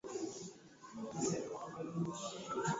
inasema alifika mpaka Roma Hapo aliuawa pamoja na Paulo katika mateso